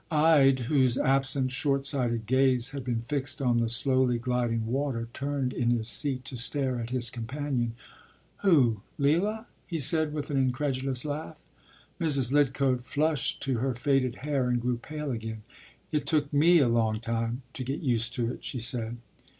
” Ide, whose absent short sighted gaze had been fixed on the slowly gliding water, turned in his seat to stare at his companion. “Who? Leila?” he said with an incredulous laugh. Mrs. Lidcote flushed to her faded hair and grew pale again. “It took me a long time to get used to it,” she said.